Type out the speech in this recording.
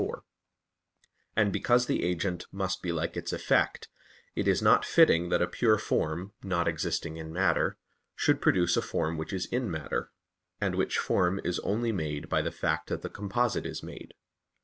4); and because the agent must be like its effect, it is not fitting that a pure form, not existing in matter, should produce a form which is in matter, and which form is only made by the fact that the composite is made.